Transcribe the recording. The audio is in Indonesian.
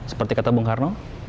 seperti kata bung karno